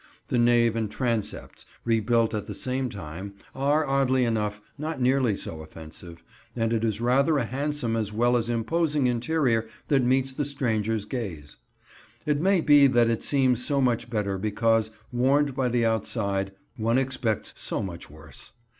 The nave and transepts, rebuilt at the same time, are, oddly enough, not nearly so offensive, and it is rather a handsome as well as imposing interior that meets the stranger's gaze. It may be that it seems so much better because, warned by the outside, one expects so much worse.